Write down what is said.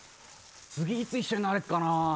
次、いつ一緒になれるかな。